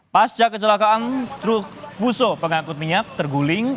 pasca kecelakaan truk fuso pengangkut minyak terguling